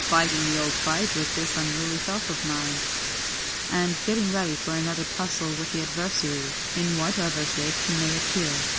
"Fighting the old fight with this unruly self of mine, and getting ready for another tussle with the Adversary, in whatever shape he may appear."